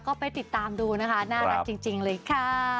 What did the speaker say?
ก็ไปติดตามดูนะคะน่ารักจริงเลยค่ะ